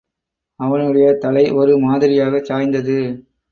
அவனுடைய தலை ஒரு மாதிரியாகச் சாய்ந்தது.